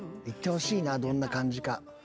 行ってほしいなどんな感じか。